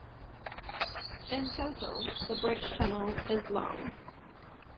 In total, the bridge-tunnel is long.